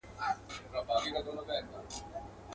اوس به مي غوږونه تر لحده وي کاڼه ورته.